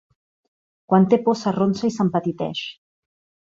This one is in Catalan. Quan té por s'arronsa i s'empetiteix.